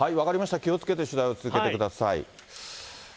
気をつけて取材を続けてください。